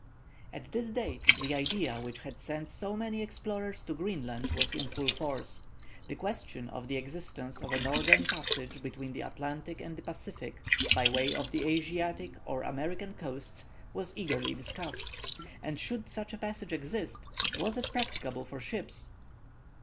At this date the idea which had sent so many explorers to Greenland was in full force. The question of the existence of a northern passage between the Atlantic and the Pacific, by way of the Asiatic or American coasts, was eagerly discussed: and should such a passage exist, was it practicable for ships?